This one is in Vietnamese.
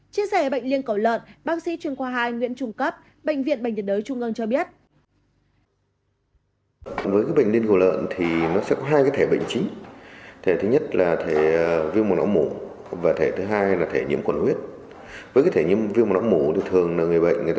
chia sẻ bệnh liên cổ lợn bác sĩ truyền khoa hai nguyễn trung cấp bệnh viện bệnh viện đới trung ngân cho biết